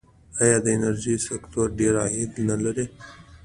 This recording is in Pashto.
آیا د انرژۍ سکتور ډیر عاید نلري؟